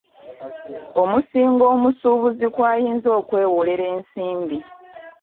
Omusingo omusuubuzi kwayinza okwewolera ensimbi.